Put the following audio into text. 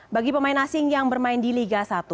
bagi pemain asing yang bermain di liga satu